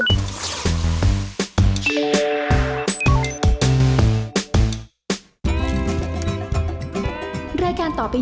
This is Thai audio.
อัศวินดี